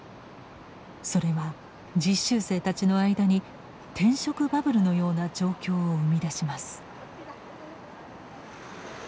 それは実習生たちの間に転職バブルのような状況を生み出します。